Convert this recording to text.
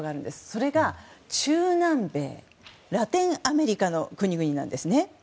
それが、中南米ラテンアメリカの国々です。